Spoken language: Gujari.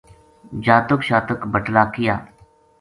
جاتک شاتک بٹلا کیا